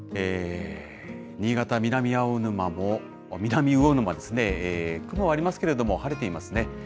新潟・南魚沼も雲はありますけれども、晴れていますね。